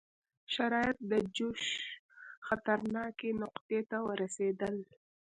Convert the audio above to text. شرایط د جوش خطرناکې نقطې ته ورسېدل.